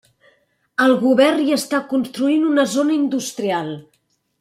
El govern hi està construint una zona industrial.